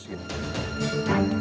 sebagai lembaga yang berpengaruh